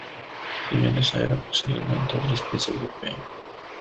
Si bien esa era posiblemente otra especie europea.